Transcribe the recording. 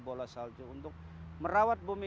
karena kita ingin uruskan satu bumi